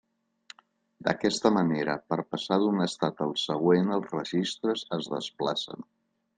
D'aquesta manera per passar d'un estat al següent els registres es desplacen.